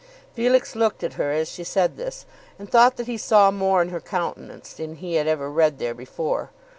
Felix looked at her as she said this, and thought that he saw more in her countenance than he had ever read there before.